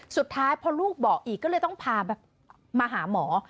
สุดท้ายพอลูกบอกอีกก็เลยต้องพาแบบมาหาหมอ